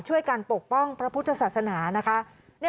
การปกป้องพระพุทธศาสนานะคะ